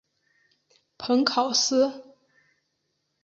蓬考斯。